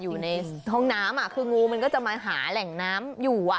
อยู่ในห้องน้ำคืองูมันก็จะมาหาแหล่งน้ำอยู่